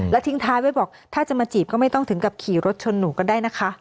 ทิ้งท้ายไว้บอกถ้าจะมาจีบก็ไม่ต้องถึงกับขี่รถชนหนูก็ได้นะคะ